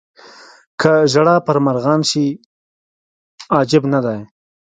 که ژړا پر مرغان شي عجب نه دی.